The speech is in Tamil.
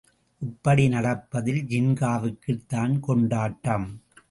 இப்படி நடப்பதில் ஜின்காவிற்குத் தான் கொண்டாட்டம்.